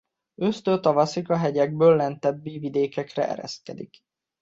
Ősztől tavaszig a hegyekből lentebbi vidékekre ereszkedik.